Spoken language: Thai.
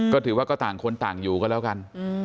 ก็ถือว่าก็ต่างคนต่างอยู่ก็แล้วกัน